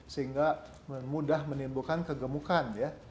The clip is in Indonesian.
sehingga mudah menimbulkan kegemukan ya